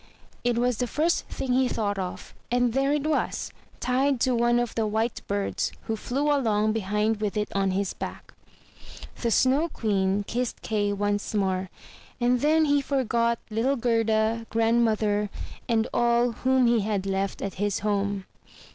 *' It was the first thing he thought of, and there it was, tied to one of the white birds, who flew along behind with it on his back. The Snow Queen kissed Kay once more, and then he forgot little Gerda, grandmother, and all whom he had left at his home.